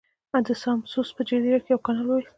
د ساموس په جزیره کې یې یو کانال وویست.